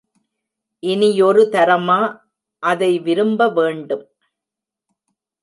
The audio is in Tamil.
இனியொரு தரமா அதை விரும்பவேண்டும்?